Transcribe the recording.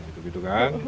itu gitu kan